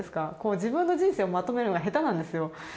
自分の人生をまとめるのが下手なんですよ。